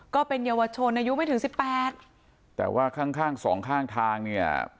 ก็เป็นเยาวชนอายุไม่ถึงสิบแปดแต่ว่าข้างข้างสองข้างทางเนี่ย